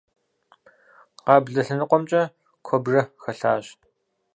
Къаблэ лъэныкъуэмкӀэ куэбжэ хэлъащ.